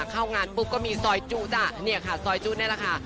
เข้างานปุ๊บก็มีซอยจุจ้ะเนี่ยค่ะซอยจุนี่แหละค่ะ